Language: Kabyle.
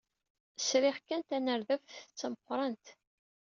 Sriɣ kan tanerdabt d tameqrant.